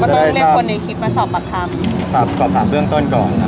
อ๋ออ๋อมาต้องเรียกคนในคลิปมาสอบปรับคำตามสอบถามเรื่องต้นกรองนะครับ